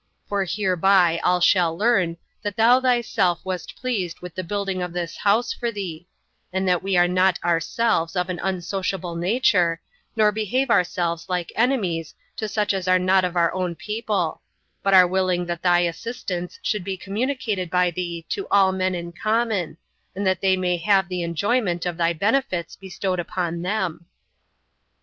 For hereby all shall learn that thou thyself wast pleased with the building of this house for thee; and that we are not ourselves of an unsociable nature, nor behave ourselves like enemies to such as are not of our own people; but are willing that thy assistance should be communicated by thee to all men in common, and that they may have the enjoyment of thy benefits bestowed upon them."